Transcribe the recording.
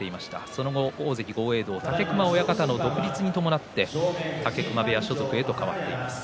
その後、大関豪栄道武隈親方の独立に伴って武隈部屋所属と変わっています。